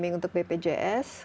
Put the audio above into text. mungkin untuk bpjs